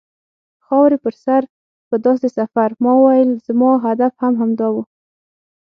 خاورې په سر پر داسې سفر، ما ورته وویل: زما هدف هم همدا و.